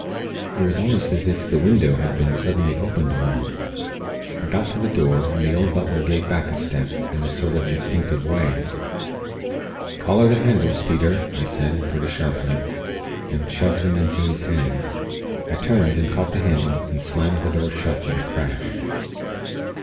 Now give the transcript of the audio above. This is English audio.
It was almost as if the window had been suddenly opened a little. I got to the door, and the old butler gave back a step, in a sort of instinctive way. 'Collar the candles, Peter!' I said, pretty sharply, and shoved them into his hands. I turned, and caught the handle, and slammed the door shut, with a crash.